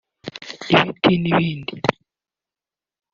ibiti n’ibindi